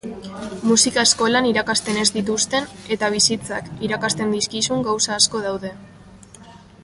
Musika-eskolan irakasten ez dituzten eta bizitzak irakasten dizkizun gauza asko daude.